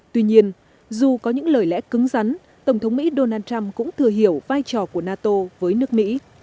tuy nhiên dù có những lời lẽ cứng rắn tổng thống mỹ donald trump cũng thừa hiểu vai trò của nato với nước mỹ